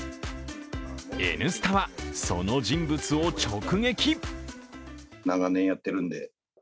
「Ｎスタ」は、その人物を直撃。